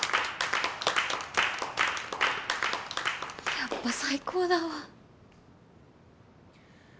やっぱ最高だわ。